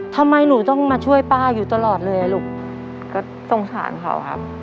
ทำไมหนูต้องมาช่วยป้าอยู่ตลอดเลยอ่ะลูกก็สงสารเขาครับ